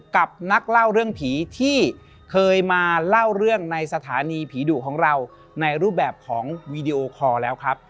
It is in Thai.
กับนักเล่าเรื่องผีที่เคยมาเล่าเรื่องในสถานีผีดุของเราในรูปแบบของวีดีโอคอร์แล้วครับ